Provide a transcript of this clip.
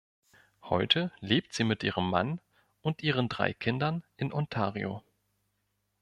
Heute lebt sie mit ihrem Mann und ihren drei Kindern in Ontario.